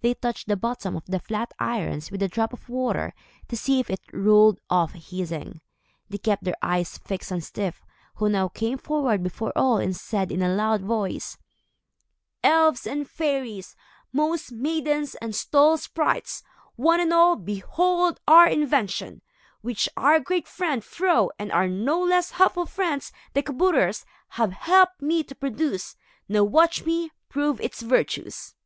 They touched the bottom of the flat irons with a drop of water to see if it rolled off hissing. They kept their eyes fixed on Styf, who now came forward before all and said, in a loud voice: "Elves and fairies, moss maidens and stall sprites, one and all, behold our invention, which our great friend Fro and our no less helpful friends, the kabouters, have helped me to produce. Now watch me prove its virtues."